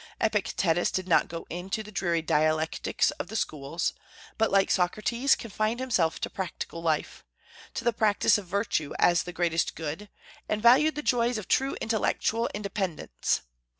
Epictetus did not go into the dreary dialectics of the schools, but, like Socrates, confined himself to practical life, to the practice of virtue as the greatest good, and valued the joys of true intellectual independence.